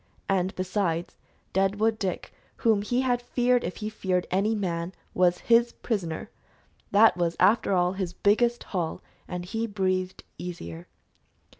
And, besides, Deadwood Dick whom he had feared if he feared any man was his prisoner! That was, after all, his biggest haul, and he breathed easier.